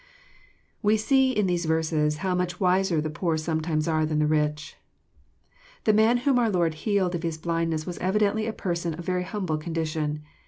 We see in these verses how much wiser the poor some times are than the rich. The man whom oar Lord healed of his blindness was evidently a person of very humble condition.